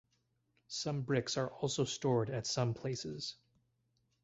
Some bricks are also stored at some places.